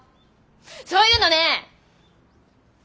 そういうのね。